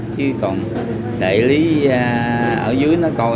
chứ còn đại lý ở dưới nó coi